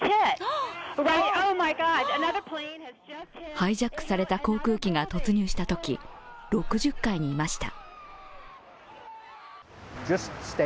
ハイジャックされた航空機が突入したとき、６０階にいました。